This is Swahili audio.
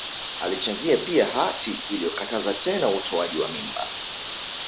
Alichangia pia hati iliyokataza tena utoaji wa mimba